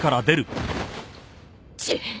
チッ！